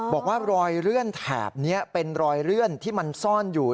บอกว่ารอยเลื่อนแถบนี้เป็นรอยเลื่อนที่มันซ่อนอยู่